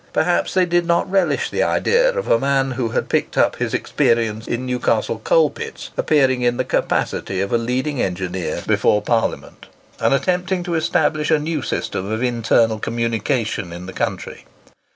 Perhaps they did not relish the idea of a man who had picked up his experience in Newcastle coal pits appearing in the capacity of a leading engineer before Parliament, and attempting to establish a new system of internal communication in the country.